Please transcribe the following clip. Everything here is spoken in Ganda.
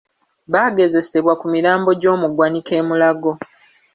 Bagezesebwa ku mirambo gy'omu ggwanika e Mulago.